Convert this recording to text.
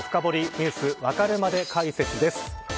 Ｎｅｗｓわかるまで解説です。